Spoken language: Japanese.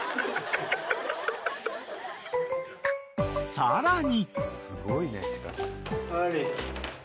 ［さらに］